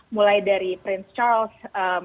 mulai dari prince charles